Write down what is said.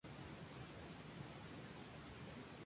La vida secreta de las abejas recibió críticas mixtas.